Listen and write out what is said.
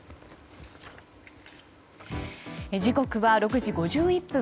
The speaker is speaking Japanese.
時刻は６時５１分。